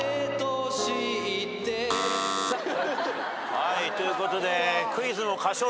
はいということで。